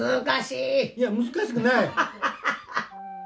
難しい！いや難しくない！